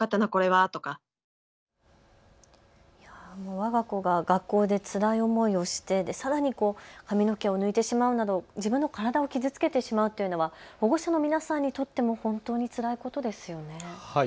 わが子が学校でつらい思いをしてさらに髪の毛を抜いてしまうなど自分の体を傷つけてしまうというのは保護者の皆さんにとっても本当につらいことですよね。